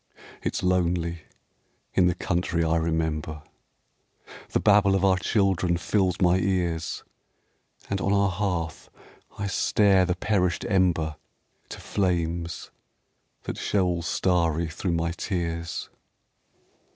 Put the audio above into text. It's lonely in the country I remember. The babble of our children fills my ears, And on our hearth I stare the perished ember To flames that show all starry thro' my tears.